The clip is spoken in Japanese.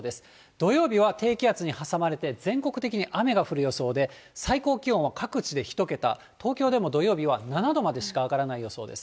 土曜日は低気圧に挟まれて、全国的に雨が降る予想で、最高気温は各地で１桁、東京でも土曜日は７度までしか上がらない予想です。